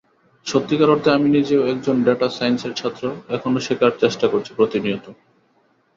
সত্যিকার অর্থে আমি নিজেও একজন ডেটা সাইন্সের ছাত্র, এখনো শেখার চেষ্টা করছি প্রতিনিয়ত।